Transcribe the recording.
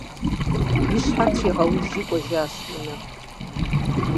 И щхьэ тригъэужри кӀуэжащ унэм.